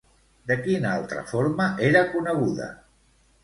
De quina altra forma era coneguda?